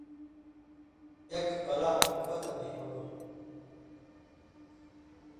اېک قلاہوۡ فتح نی ہُون٘دوۡ